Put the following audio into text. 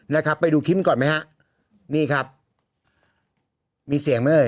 นะครับไปดูคลิปก่อนไหมฮะนี่ครับมีเสียงไหมเอ่